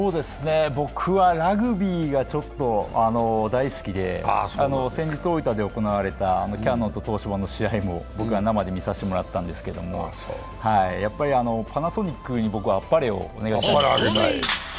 僕はラグビーが大好きで、先日、大分で行われたキヤノンと東芝の試合も生で見させてもらったんですけどもやっぱりパナソニックに僕はあっぱれをお願いします。